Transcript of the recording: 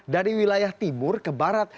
dari wilayah timur ke barat